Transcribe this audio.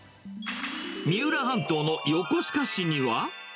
三浦半島の横須賀市には。